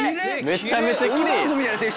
「めちゃめちゃきれいやん」